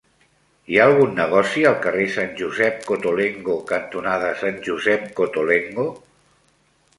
Hi ha algun negoci al carrer Sant Josep Cottolengo cantonada Sant Josep Cottolengo?